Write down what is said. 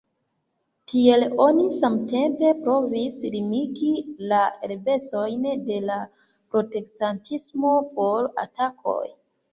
Tiel oni samtempe provis limigi la eblecojn de la protestantismo por atakoj.